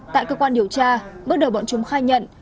tại cơ quan điều tra bước đầu bọn chúng khai nhận